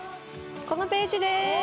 このページです！